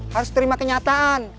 harus terima kenyataan